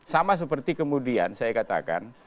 sama seperti kemudian saya katakan